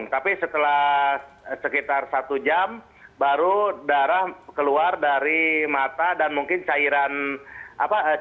tapi setelah sekitar satu jam baru darah keluar dari mata dan mungkin cairan apa